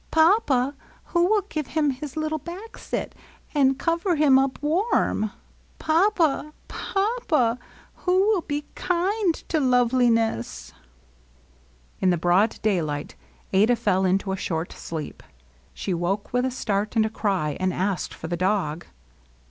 Papa, who will give him his little baxet, and cover him up warm? Papa ! Papa I who will be kind to Loveliness ?'' 18 LOVELINESS. In the broad daylight Adah fell into a short sleep. She woke with a start and a cry^ and asked for the dog.